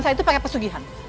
saya itu pakai pesugihan